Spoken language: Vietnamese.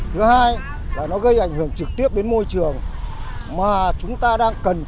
thứ hai là nó gây ảnh hưởng trực tiếp đến môi trường mà chúng ta đang cần